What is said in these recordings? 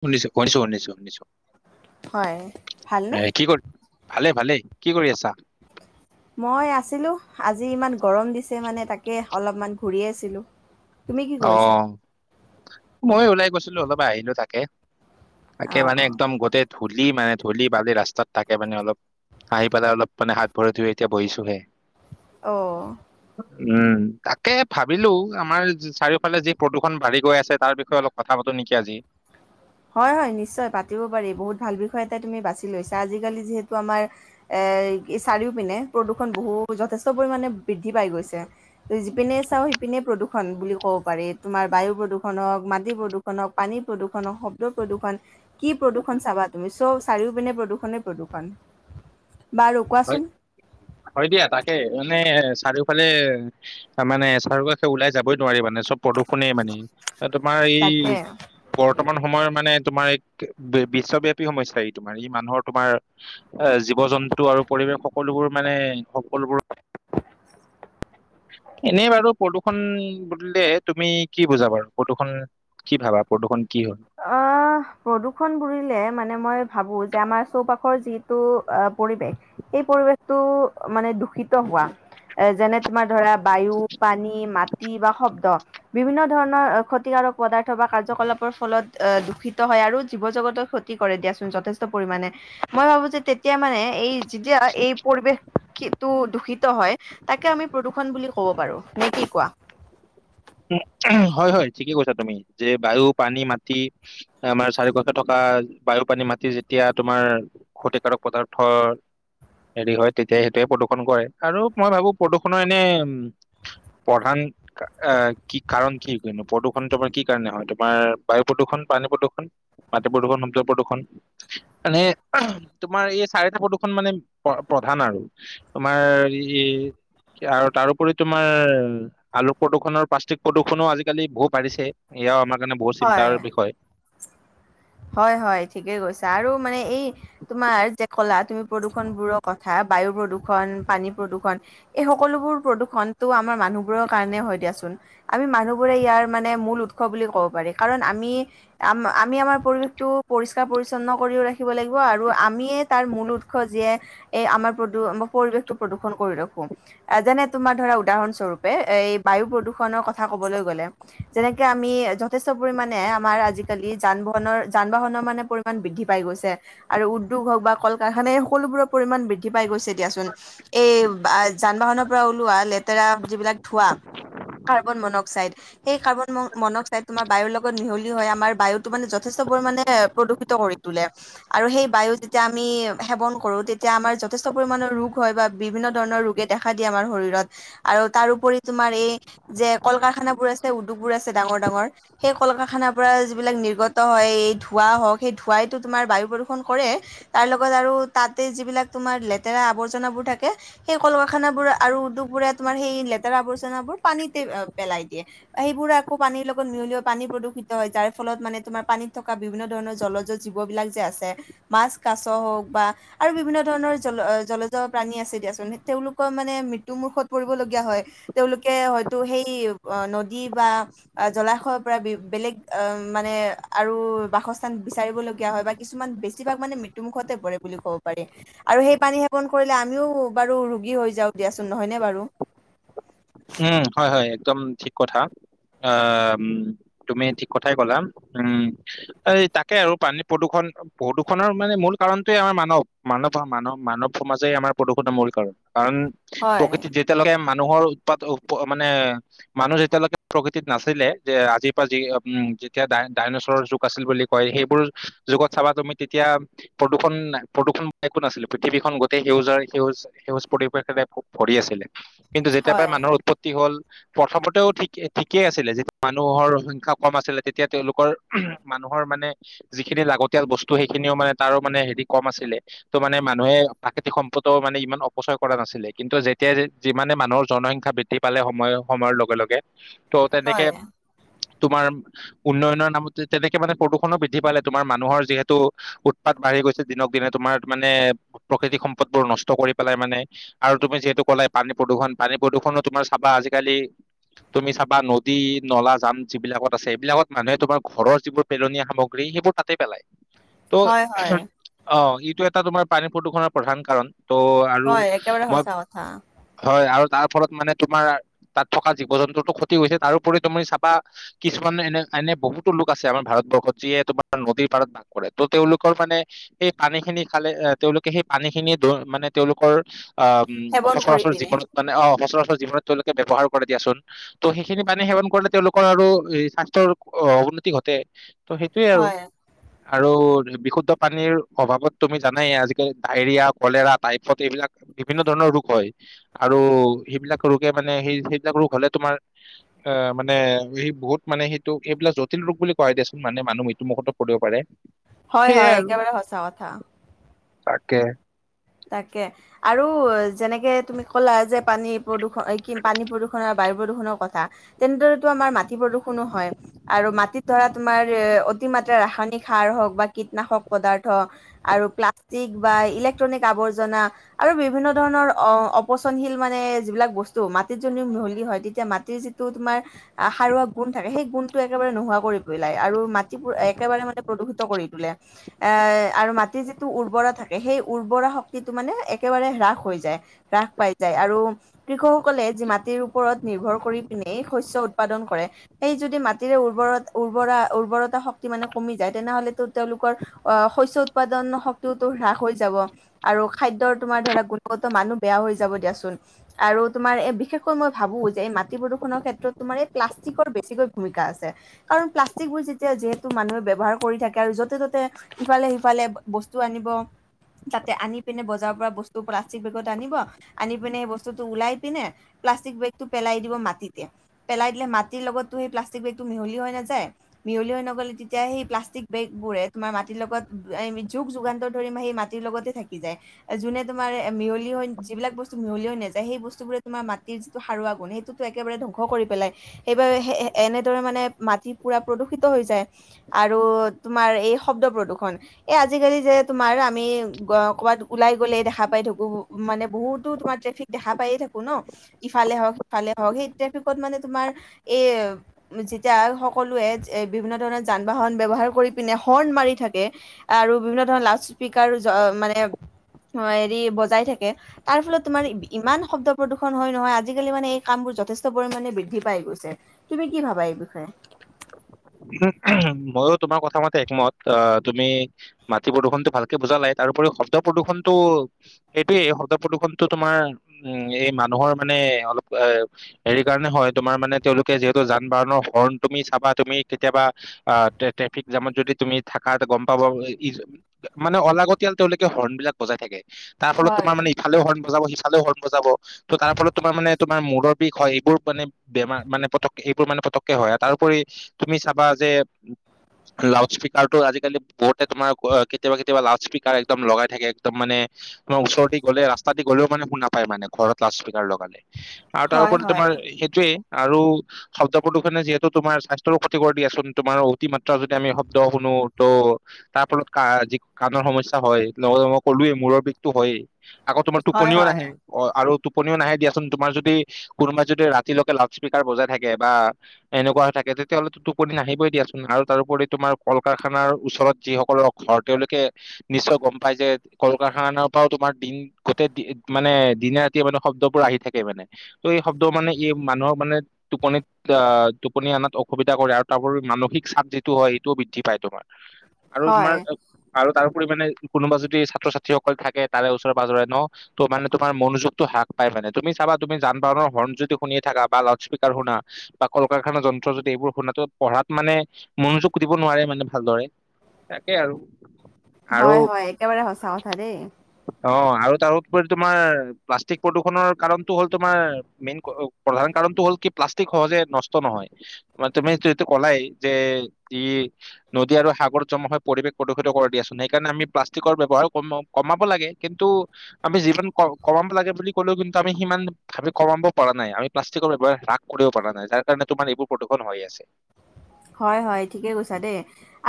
শুনিছোঁ শুনিছোঁ শুনিছোঁ। হয় ভালনে? ভালেই ভালেই, কি কৰি আছা? মই আছিলোঁ আজি ইমান গৰম দিছে মানে তাকে অলপমান ঘূৰি আছিলোঁ। তুমি কি অ কৰিছা? মই ওলাই গৈছিলো অলপ আহিলো তাকে তাকে মানে অঁ একদম গোটেই ধূলি মানে ধূলি বালি ৰাস্তাত তাকে মানে অলপ আহি পেলাই অলপ মানে হাত ভৰি ধুই এতিয়া বহিছোঁ হে। অঁ উম, তাকে ভাবিলো আমাৰ চাৰিওফালে যি প্ৰদূষণ বাঢ়ি গৈ আছে তাৰ বিষয়ে অলপ কথা পাতো নেকি আজি হয় হয় নিশ্চয় পাতিব পাৰি বহুত ভাল বিষয় এটা তুমি বাছি লৈছা আজিকালি যিহেতু আমাৰ এ এই চাৰিওফালে পিনে প্ৰদূষণ বহু যথেষ্ট পৰিমাণে বৃদ্ধি পাই গৈছে যিপিনেই চাও সিপিনে প্ৰদূষণ বুলি ক'ব পাৰি তোমাৰ বায়ু প্ৰদূষণ হওক মাটি প্ৰদূষণ হওক পানী প্ৰদূষণ হওক স শব্দ প্ৰদূষণ কি প্ৰদূষণ চাবা তুমি চ চাৰিও পিনে প্ৰদূষণে প্ৰদূষণ বাৰু হয় কোৱাচোন হয় দিয়া তাকে মানে এ চাৰিওফালে মানে চাৰিও কাষে ওলাই যাবই নোৱাৰি মানে চব প্ৰদূষণে মানে। তোমাৰ এই তাকে বৰ্তমান সময়ৰ মানে তোমাৰ এক বিশ্বব্যাপী সমস্যা ই তোমাৰ ই মানুহৰ তোমাৰ জীৱ জন্তু ন্তু আৰু পৰিৱেশ সকলোবোৰ মানে সকলোবোৰ [inaudible] এনেই বাৰু প্ৰদূষণ বুলিলে তুমি কি বুজা বাৰু, প্ৰদূষণ, কি ভাবা প্ৰদূষণ? কি হয় অ', প্ৰদূষণ বুলিলে মানে মই ভাবো যে আমাৰ চৌপাশৰ যিটো পৰিৱেশ, সেই পৰিৱেশটো মানে দূষিত হোৱা। যেনে তোমাৰ ধৰা বায়ু, পানী, মাটি বা শব্দ বিভিন্ন ধৰণৰ ক্ষতিকাৰক পদাৰ্থ বা কাৰ্যকলাপৰ ফলত অ দূষিত হয় আৰু জীৱ জগতৰ ক্ষতি কৰে দিয়াচোন যথেষ্ট পৰিমাণে, মই ভাবো যে তেতিয়া মানে এই যেতিয়া, এই পৰিৱেশটো দূষিত হয়, তাকে আমি প্ৰদূ্ষণ বুলি ক'ব পাৰোঁ। নে কি কোৱা? [inaudible] উ হয়, হয়। ঠিকে কৈছা তুমি, যে বায়ু, পানী, মাটি আমাৰ চাৰিপাশে থকা বায়ু, পানী, মাটি যেতিয়া তোমাৰ ক্ষতিকাৰক পদাৰ্থৰ হেৰি হয়, তেতিয়াই সেইটোৱে প্ৰদূষণ কৰে। আৰু মই ভাবো প্ৰদূ্ষণৰ এনে প্ৰধান [inaudible] আ কি কাৰণ কি কিয়নো, প্ৰদূষণ তোমাৰ কি কাৰণে হয়, তোমাৰ বায়ু প্ৰদূষণ, পানী প্ৰদূষণ প্ৰদূষন, শব্দ প্ৰদূষণ, মানে তোমাৰ এই চাৰিটা প্ৰদূষণ মানে প্ৰধান আৰু। তোমাৰ ই তাৰোপৰি তোমাৰ আলোক প্ৰদূষণৰ প্লাষ্টিক প্ৰদূষণো আজিকালি বহু বাঢ়িছে, ইয়েও আমাক হয়, হয়, হয় ঠিকেই কৈছা, আৰু মানে এই তোমাৰ যে কলা, তুমি প্ৰদূষণ বোৰৰ কথা বায়ু প্ৰদূষণ, পানী প্ৰদূষণ, এই সকলোবোৰ প্ৰদূষণটো আমাৰ মানুহবোৰৰ কাৰণে হয় দিয়াচোন আমি মানুহ বোৰে ইয়াৰ মানে মূল উৎস বুলি ক'ব পাৰি। কাৰণ আমি, আম আম আমি আমাৰ পৰিবেশটো পৰিস্কাৰ পৰিচন্ন কৰিও ৰাখিব লাগিব আৰু আমিয়েই তাৰ মুল উৎস যিয়ে এই আমাৰ প্ৰদু-পৰিবেশটো প্ৰদূষণ কৰি ৰাখো আ যেনে তোমাৰ ধৰা উদাহৰণ স্বৰূপে এই বায়ু প্ৰদূষণৰ কথা ক'বলৈ গ'লে যেনেকে আমি য থেষ্ট পৰিমাণে আমাৰ আজিকালি যান-বাহনৰ যা- বাহনৰ মানে পৰিমাণ বৃদ্ধি পাই গৈছে আৰু উ উদ্যোগ হওঁক বা কল-কাৰখান এই সকলোবোৰৰ পৰিমাণ বৃদ্ধি পাই গৈছে। দিয়াচোন এই যান-বাহনৰ পৰা ওলোৱা লেতেৰা যিবিলাক ধোঁৱা কাৰ্বন মনক্সাইড সেই কাৰ্বন মন-মনক্সাইড তোমাৰ বায়ুৰ লগত মিহলি হয় আমাৰ বায়ুতো মানে যথেষ্ট পৰিমাণে প্ৰদূষিত কৰি তোলে আৰু সেই বায়ু যেতিয়া আমি সেৱন কৰোঁ তেতিয়া আমাৰ যথেষ্ট পৰিমাণৰ ৰোগ হয় বা বিভিন্ন ধৰণৰ ৰোগে দেখা দিয়ে আমাৰ। শৰীৰত আৰু তাৰোপৰি তোমাৰ এই যে কল-কাৰখানাবোৰ আছে উদ্যোগবোৰ আছে ডাঙৰ ডাঙৰ। সেই কল-কাৰখানাৰ পৰা যিবিলাক নিৰ্গত হয় এই ধোঁৱা হওঁক সেই ধোঁৱাইতো তোমাৰ বায়ু প্ৰদূষণ কৰে। তাৰ লগত আৰু তাতে যিলাক তোমাৰ লেতেৰা আৱৰ্জনাবোৰ থাকে সেই কল-কাৰখানাবোৰ আৰু উদ্যোগবোৰে তোমাৰ সেই লেতেৰা আৱৰ্জনাবোৰ পানীতে পেলাই দিয়ে সেইবোৰে আকৌ পানীৰ লগত লগত মিহিলি পানী প্ৰদূষিত হয় যাৰ ফলত মানে তোমাৰ পানীত থকা বিভিন্ন ধৰণৰ জলজ জীৱবিলাক যে আছে। মাছ, কাছ হওঁক বা আৰু বিভিন্ন ধৰণৰ জল জলজ প্ৰাণী আছে দিয়াচোন তেওঁলোকৰ মানে নে মৃত্যু মুখত পৰিবলগীয়া হয় তেওঁলোকে হয়তো সেই নদী বা অ', জলাশয়ৰ পৰা বেলেগ অ', মানে আৰু বাসস্থান বিচাৰিবলগীয়া হয় বা কিছুমান বেছিভাগ মানে মৃত্যুমুখতে পৰে বুলি ক'ব পাৰি আৰু সেই পানী সেৱন কৰিলে আমিও বাৰু ৰোগী হৈ যাওঁক দিয়াচোন, নহয়নে বাৰু? উম, হয়, হয়, একদম ঠিক কথা। অ', তুমি ঠিক কথাই ক'লা উম, এই তাকে আৰু পানী প্ৰদূষণ প্ৰদূষণৰ মানে মূল কাৰণটোয়ে আমাৰ মানৱ, মানৱ, মানৱ, মানৱ সমাজে আমাৰ প্ৰদূষণৰ মূল কাৰণ। কাৰণ হয়, প্ৰকৃতিত যেতিয়ালৈকে মানুহৰ উৎপাত মানে মানুহ যেতিয়ালৈকে প্ৰকৃতিত নাছিলে যে আজিৰ পৰা যি উম যেতিয়া দাই ডাইনচৰৰ যুগ আছিল বুলি কয় সেইবোৰ যুগত চাবা তুমি তেতিয়া প্ৰদূষণ প্ৰদূষণ একো নাছিলে পৃথিৱীখন গোটেই সেউজৰ সেউজ সেউজ পৰিবেশেৰে খুব ভৰি আছিলে। কিন্তু যেতিয়াৰ পৰা হয়, মানুহৰ উৎপত্তি হ'ল প্ৰথমতেও ঠিক ঠিকেই আছিলে যেতিয়া মানুহৰ সংখ্যা কম আছিলে তেতিয়া তেওঁলোকৰ মানুহ মানুহৰ মানে যিখিনি লাগতিয়াল বস্তু সেইখিনিও মানে তাৰো মানে হেৰি কম আছিলে ত' মানে মানুহে প্ৰাকৃতিক সম্পদও মানে ইমান অপচয় কৰা নাছিলে কিন্তু যেতিয়া যিমানে মানুহৰ জনসংখ্যা বৃদ্ধি পালে সময় সময়ৰ লগে লগে ত' তেনেকে। হয়, তোমাৰ উন্নয়নৰ নামতে তেনেকে মানে প্ৰদূষণো বৃদ্ধি পালে তোমাৰ মানুহৰ যিহেতু উৎপাত। দিনে তোমাৰ মানে প্ৰকৃতিক সম্পদবোৰ নষ্ট কৰি পেলাই মানে আৰু তুমি যিহেতু ক'লাই। পানী প্ৰদূষণ পানী প্ৰদূষণো তোমাৰ চাবা আজিকালি তুমি চাবা নদী নলা জান যিবিলাকত আছে এইবিলাকত মানুহে তোমাৰ ঘৰৰ যিবোৰ পেলনীয়া সামগ্ৰী সেইবোৰ তাতে পেলায় ত' হয়, হয়, অ এইটো এটা তোমাৰ পানী প্ৰদূষণৰ প্ৰধান কাৰণ ত' আৰু হয়, একেবাৰে মই সঁচা কথা হয় আৰু তাৰ ফলত মানে তোমাৰ তাত থকা জীৱ জন্তুতো ক্ষতি হৈছে তাৰোপৰি তুমি চাবা কিছুমান এনে এনে বহুতো লোক আছে আমাৰ ভাৰতবৰ্ষত যিয়ে তোমাৰ নদীৰ পাৰত বাস কৰে তো তেওঁলোকৰ মানে সেই পানী খিনি। খালে তেওঁলোকে সেই পানী খিনিয়ে মানে তেওঁলোকৰ আহ সেৱন কৰি সচৰাচৰ পিনে জীৱনত মানে অ 'সচৰাচৰ জীৱনত তেওঁলোকে ব্যৱহাৰ কৰে দিয়াচোন ত সেইখিনি পানী সেৱন কৰিলে তেওঁলোকৰ আৰু স্বাস্থ্যৰ উন্নতি ঘটে ত সেইটোৱে আৰু হয়, আৰু বিশুদ্ধ পানীৰ অভাৱত তুমি জানাই আজিকালি ডায়েৰিয়া কলেৰা টাইফয়েড এইবিলাক বিভিন্ন ধৰণৰ ৰোগ হয়। আৰু সেইবিলাক ৰোগে মানে সেই সেইবিলাক ৰোগ হলে তোমাৰ অ মানে সি বহুত। মানে সেইটো এইবিলাক জটিল ৰোগ বুলি কোৱাই দিয়াচোন মানে মানুহ মৃত্যু মুখতো পৰিব পাৰে। হয়- সেয়াই হয় আৰু। একেবাৰে সঁচা কথা তাকে। তাকে আৰু যেনেকে তুমি ক'লা যে পানী প্ৰদূষণ কি পানী প্ৰদূষণৰ বাবে। বায়ু প্ৰদূষণৰ কথা তেন্তেতো মাটি প্ৰদূষণো হয় আৰু মাটিত ধৰা। অতিমাত্ৰা ৰাসায়নিক সাৰ হওঁক বা কীটনাশক পদাৰ্থ আৰু প্লাষ্টিক বা ইলেক্ট -ক্ট্ৰনিক আবৰ্জনা আৰু বিভিন্ন ধৰণৰ অপচনশীল মানে যিবিলাক বস্তু মাটিত [unintelligible] মিহলি হয় তেতিয়া মাটিৰ যিটো তোমাৰ সাৰুৱা গুণ থাকে সেই গুণটো একেবাৰে নোহোৱা কৰিব লাই আৰু মাটিবোৰ একেবাৰে মানে প্ৰদূষিত কৰি তোলে এ আৰু মাটিৰ যিটো উৰ্বৰা থাকে সেই উৰ্বৰা শক্তিটো মানে একেবাৰে হ্ৰাস হৈ যায় হ্ৰাস পাই যায় আৰু কৃষকসকলে যি মাত মিৰ ওপৰত নিৰ্ভৰ কৰি পিনে শস্য উৎপাদন কৰে সেই যদি মাটিৰে উৰ্বৰত উৰ্বৰা উৰ্বৰতা শক্তি মানে কমি যায় তেনেহলেতো তেওঁলোকৰ অ শস্য উৎপাদন শক্তিওো হ্ৰাস হৈ যায়। যাব আৰু খাদ্যৰ তোমাৰ ধ গুণ মানু বেয়া হৈ যাব দিয়াোন আৰু তুমাৰ বিশেষ ভ মাটি প্ৰদূষণৰ প [unintelligible] যেতিয়া যিহেতু মানুহে ব ব্যৱহাৰ কৰি থাকে আৰু য'তে ত'তে সিফালে সিফালে বস্তু আনিব। তাতে আনি পিনে বজাৰৰ পৰা বস্তু প্লাষ্টিক বেগত আনিব আনি পিনে সেই বস্তুতটো ওলাই পিনে প্লাষ্টিক বেগটো পেলাই দিব মাটিতে পেলাই দিলে মাটিৰ লগততো সেই প্লাষ্টিক বেগটো মিহলি হৈ নাযায়। মিহলি হৈ নগলে তেতিয়া সেই প্লাষ্টিক বেগবোৰে তোমাৰ মাটিৰ লগত যোগ যুগান্ত ধৰিম সেই মাট লগতে থাকি যায় যোনে তোমাৰ মিহলি হৈ যিবিলাক বস্তু মিহলি হৈ নাযায়। সেই বস্তুবোৰে তোমাৰ মাটি যিটো সাৰুৱ গুণ সেইটোতো একেবাৰে ধ্বংস কৰি পেলাই সেইবাবে এনেদৰে মানে মাটি পুৰা প্ৰদূষণ হৈ যায় আৰু তোমাৰ এই শব্দ প্ৰদূ্ষন এই আজিকালি যে তোমাৰ আমি ক'বাত ওলাই গ'লে দেখা পাই থাকো মানে বহুতো তোমাৰ ট্ৰেফিক দেখা পায়ে থাকো ন ইফালে হওক সিফালে হওক সেই ট্ৰেফিকত মানে তোমাৰ এই যেতিয়া সকলোৱে বিভিন্ন ধৰণৰ যান বাহন বৱহাৰ কৰি পিনে হৰ্ণ মাৰি থাকে আৰু বিভিন্ন ধৰণৰ লাউড স্পকাৰ মানে অ, হেৰি বজাই থাকে তাৰ ফলত তোমাৰ ইমান শব্দ প্ৰদূষন হয় নহয় আজিকালি মানে এই কামোৰ যথেষ্ট পৰিমণে বৃদ্ধি পাই গৈছে তুমি কি ভাবা এই বিষয়ে [inaudible] [unintelligible] ময়ো তোমাৰ কথা মাতে একমত অ তুমি মাটি প্ৰদূষণতটো ভালকে বুজা লাই তাত তাৰোপৰি শব্দ প্ৰদূষণটো সেইটোয়ে শব্দ প্ৰদূ্ষণতটো তোমাৰ উম এই মানুহৰ মানে অলপ এ হেৰি কাৰণে হয় তোমাৰ মানে তেওঁলোকে যিহেতু যান বাহনৰ হৰ্ণ তুমি চাবা তুমি কেতিয়াবা অ, ট্ৰেফিক জামত যদি তুমি থাক গম পাব মানে অলাগতি তেওঁলোকে হৰ্ণ বিলাক বজাইাকে তাৰ ফলত হয় তোমাৰ মানে ইফালে হৰ্ণ বজাব চালও হল নাজাব ত তাৰ ফলত তোমাৰ মানে তোমাৰ মূৰ বিষ হয়। এইবোৰ মানে বেমাৰ মানে পতক এইবোৰ মানে পতককে হয়, তাৰওপৰি তুমি চাবা যে লাউডস্পীকাৰতো আজিকালি বৰ্টে তোমাৰ কেতিয়াবা কেতিয়াবা লাউডস্পীকাৰ একদম লগাই থাকে। একদম মানে তাৰ ওচৰতে গলে ৰাস্তা দি গ'লেও মানে শু নাপায় মানে ঘৰত লাউডস্পীকাৰ লগালি আৰু হয় তাৰোপৰি হয় তোমাৰ সেইটোয়ে আৰু শব্দ প্ৰদূষনে যিহেতু তোমাৰ স্বাস্থ্য ক্ষতি দিয়াচোন তোমাৰ অতিমাত্ৰা যদি আমি শব্দ শুনো ত তাৰ ফলত কা যি কাণত সমস্যা হয় লগতে মই ক'লোৱে মূৰ বিগতটো হয়েই আকৌ তোমাৰ হয় টোপনিও হয় নাহে অ আৰু টোপনিও নাহে দিয়াচোন তোমাৰ যদি কোনোবা যদি ৰাতিলৈকে লাউড স্পীকাৰ বজাই থাকে বা এনেকুৱা হৈ থাকে। তেঁওলো টোপনি ন আহাহিবই দিয়াচোন আৰু তাৰোপৰি তোমাৰ কল- কাৰখানাৰ ওচৰত যিসকলৰ ঘৰ তেওঁলোকে নিশ্চয় গম পাই যে কল কাৰখানাৰ পৰাও তোমাৰ দিন গোটেই মানে দিনে ৰাতিয়ে মানে শব্দ আহি থাকে মানে এই শব্দ মানে মানুহৰ মানে টোপনি টোপনি অনাত অহু সুবিধা কৰে। আৰু তাৰো মানসিক চাপ যিটো হয় সেইটোও বৃদ্ধি পায় তোমাৰ আৰু তোমাৰ হয় আৰু তাৰ পৰিমাানে কোনোবা যদি ছাত্ৰ ছাত্ৰীসকল থাকে। তাৰে ওচৰে পাজৰে ন ত' মানে তোমাৰ মনোযোগতটো হ্ৰাস পায়। মানে তুমি চাবা তুমি যান বাহনৰ হৰ্ন যদি শুনি থাকা বা লাউড স্পীকাৰ শুনা বা কল কাৰখানা যন্ত্ৰ যদি এইবোৰ শুনাটো পঢ়াত মানে মনোযোগ দিব নোৱাৰে মানে ভালদৰে তাকেই আৰু আৰু হয়, হয়। একেবাৰে সঁচা কথা দেই। অ, আৰু তাৰপৰি তোমাৰ প্লাষ্টিক প্ৰদূষণৰ কাৰণতটো হ'ল তোমাৰ মেইন প্ৰধান কাৰণটো হ'ল কি প্লাষ্টিক সহজে নষ্ট নহয় মান তুমিটো কলাই যে ই নদী আৰু সাগৰ জমা হৈ পৰিৱেশ প্ৰদূষিত কৰা দিয়াচোন সেইকাৰণে আমি প্লাষ্টিকৰ ব্যয়ৱহাৰ কমাব লাগে কিন্তু আমি যিমান কমাব লাগে বুলি ক'লেও, কিন্তু আমি সিমান ভাবি কমাব পৰা নাই, আমি প্লাষ্টিকৰ ব্যৱহাৰ ৰাশ কৰিব পৰাৰ নাই। যাৰ কাৰণে তোমাৰ এইবোৰ প্ৰদূৰষন হৈ আছে। হয়-হয় ঠিকে কৈছা, দেই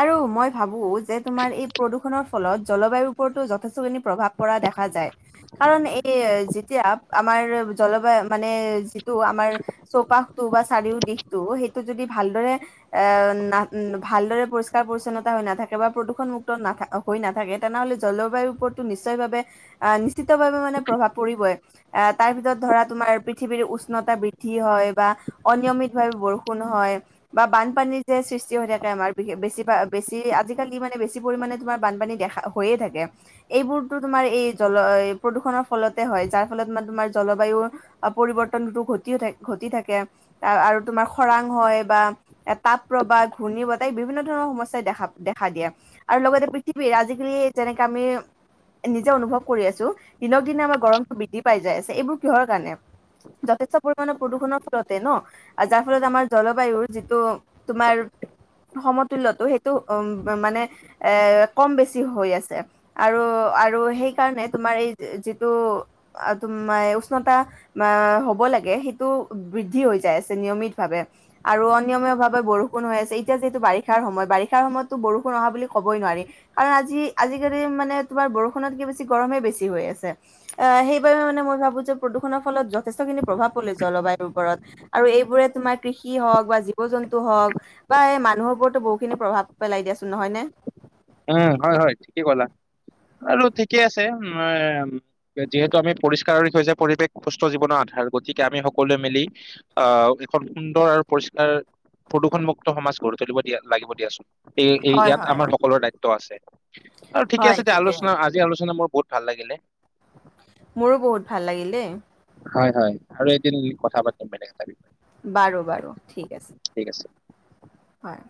আৰু মই ভাবো যে তোমাৰ এই প্ৰদূষণৰ জলবায়ু ওপৰতটো যথেষ্ট খিনি প্ৰভাৱ পৰা দেখা যায় কাৰ জলবা মানে যিটো আমাৰ চৌপাশটো চাৰিও দিশটো সেইটো যদি ভাল। দৰে। এ ভালদৰে পৰিষ্কাৰ পৰি্ছন্নতা হৈ নাথাকে বা প্ৰদূষণমুক্ত না হৈ নাথাকে তেনেহ'লে জলবায়ুৰ ওপৰতটো নিশ্চয় ভাৱে নিশ্চিতভাৱে মানে প্ৰভাৱ পৰিবই তাৰ ভিতৰত ধৰা তোমাৰ পৃথিৱীৰ উষ্ণতা বৃদ্ধি হয় বা অনিয়মিতভাৱে বৰষুণ হয় বা বান বানপানী যে সৃষ্টি হৈ থাকে, আমাৰ বেছি বেছি আজিকালি মানে বেছি পৰিমাণে তোমাৰ বানপানী দেখা হয়ে। থাকে, এইবোৰতো তোমাৰ এই জল প্ৰদূষণৰ ফলতে হয়। যাৰ ফলত মানে তোমাৰ জলবায়ু, পৰিৱৰ্তনটো ঘটিয়ে ঘটি থাকে আৰু তোমাৰ খৰাং হয় বা তাপ প্ৰবাহ, ঘূৰ্ণী বতাহ, বিভিন্ন ধৰণৰ সমস্যাই দেখা দেখা দিয়ে। আৰু লগতে পৃথিৱীৰ আজিকালি তেনেকে আমি নিজে অনুভৱ কৰি আছো, দিনক দিনে আমাৰ গৰমটো বৃদ্ধি পাই যাই আছে। এইবোৰ কিহৰ কাৰণে? যথেষ্ট পৰিমমানে প্ৰদূষণৰ ফলতে ন, আৰু যাৰ ফলত আমাৰ জলবায়ুৰ যিটো তোমাৰ সমতুলয়তো সেইটো উম মানে কম বেছি হৈ আছে। আৰু, আৰু সেইকাৰণে এই তোমাৰ যিটো তোমাৰ উষ্ণতা [unintelligible] লাগে, সেইটো বৃদ্ধি হয় যায় আছে নিয়মিতভাৱে। বৰষুণ হৈ আছে, এতিয়া যিহেতু বাৰিষাৰ সময়ত বাৰিষাৰ সময়তটো বৰষুণ অহা বুলি ক'বই নোৱাৰি। কাৰণ আজি আজি আজিকালি মানে তোমাৰ বৰষুণতকে বেছি গৰমে বেছি হৈ আছে। সেইবাবে মানে মই ভাবো যে প্ৰদু ফলত যথেষ্টখিনি প্ৰভাৱ পৰে জলবায়ুৰ ওপৰত, আৰু এইবোৰে তোমাৰ কৃষি হওক বা জীৱ-জন্তু, হওক বা এই মানুহৰ ওপৰতো বহু খিনি প্ৰভাৱ পেলাই দিয়াচোন। নহয় নে? উম, হয়, হয় ঠিকেই ক'লা। আৰু ঠিকে আছে উম, যিহেতু আমি পৰিষ্কাৰ ৰি হৈছে পৰিৱেশ সুস্থ জীৱনৰ আধ ভাল গতিকে আমি সকলোৱে মিলি অহ, এখন সুন্দৰ আৰু পৰিষ্কাৰ প্ৰদূষণমুক্ত সমাজ গঢ়ি তুলিব দিয়া লাগিব দিয়াচোন। এই এই হয় ইয়াত হয় আমাৰ সকলোৰ দায়িত্ব আছে আৰু ঠিকে আছে এতিয়া আলোচনা আজি আলোচনা মোৰ বহুত ভাল লাগিলে। মোৰো বহুত ভাল লাগিল দেই। হয়, হয় আৰু এদিন কথা পাতিম বেলে কটা বি বাৰু বাৰু ঠিক আছে, আছে হয়।